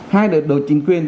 hai đối chính quyền